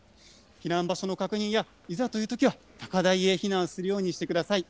避難場所の確認や、いざというときは高台へ避難するようにしてください。